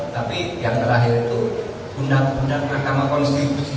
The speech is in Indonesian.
tapi yang terakhir itu undang undang mahkamah konstitusi